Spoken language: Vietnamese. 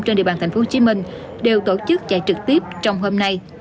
trên địa bàn tp hcm đều tổ chức chạy trực tiếp trong hôm nay